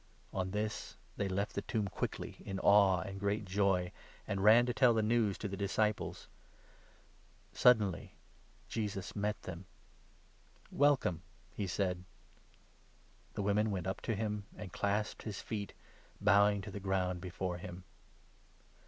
On this they left the tomb quickly, in awe and great joy, and ran 8 to tell the news to the disciples. Suddenly Jesus met them. 9 "Welcome !" he said. The women went up to him, and clasped his feet, bowing to the ground before him.